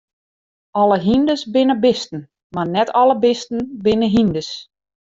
Alle hynders binne bisten, mar net alle bisten binne hynders.